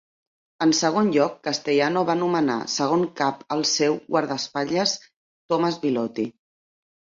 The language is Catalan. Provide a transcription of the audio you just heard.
En segon lloc, Castellano va nomenar segon cap el seu guardaespatlles Thomas Bilotti.